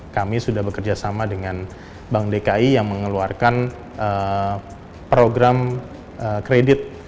kami sudah bekerja sama dengan bank dki yang mengeluarkan program kredit